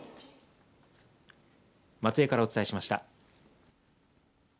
松江からお伝えしました。